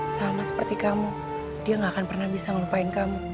sama seperti kamu dia gak akan pernah bisa melupain kamu